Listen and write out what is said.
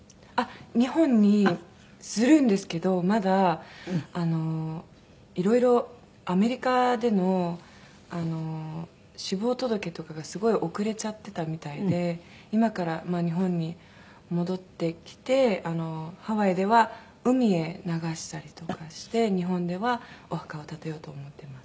日本にするんですけどまだいろいろアメリカでの死亡届とかがすごい遅れちゃってたみたいで今から日本に戻ってきてハワイでは海へ流したりとかして日本ではお墓を建てようと思ってます。